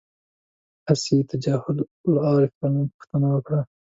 هسې یې تجاهل العارفانه پوښتنه وکړه.